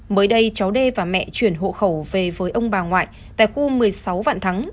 mới đây cháu đê và mẹ chuyển hộ khẩu về với ông bà ngoại tại khu một mươi sáu vạn thắng